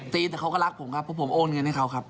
แต่เขาก็รักผมครับเพราะผมโอนเงินให้เขาครับ